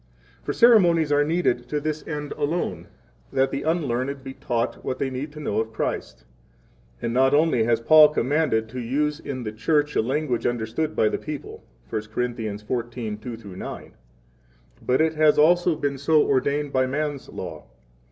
For ceremonies are needed to this end alone that the unlearned 4 be taught [what they need to know of Christ]. And not only has Paul commanded to use in the church a language understood by the people 1 Cor. 14:2 9, but it has also been so ordained by man's law.